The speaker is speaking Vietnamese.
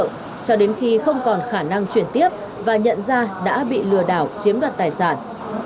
cho đến khi không còn khả năng chuyển tiếp và nhận ra đã bị lừa đảo chiếm đoạt tài sản